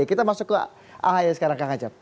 kita masuk ke ahy sekarang kang acep